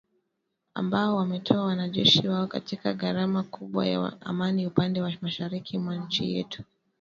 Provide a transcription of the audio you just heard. ambao wametoa wanajeshi wao kwa gharama kubwa ya amani upande wa mashariki mwa nchi yetu